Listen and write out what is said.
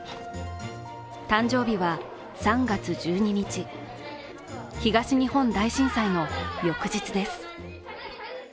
誕生日は３月１２日、東日本大震災の翌日です。